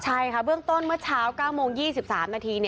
ใช่ค่ะเบื้องต้นเมื่อเช้า๙โมง๒๓นาที